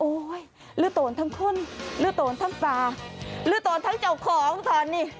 โอ้ยลื้อโตนทั้งคนลื้อโตนทั้งป่าลื้อโตนทั้งเจ้าของตอนนี้